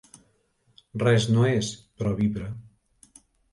Res no és, però vibra.